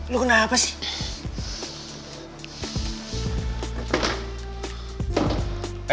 lu kenapa sih